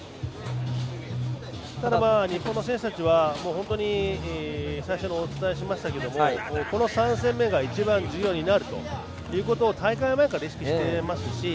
ただ、日本の選手たちは最初にお伝えしましたがこの３戦目が一番重要になるということを大会前から意識していますし。